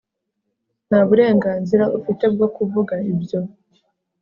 nta burenganzira ufite bwo kuvuga ibyo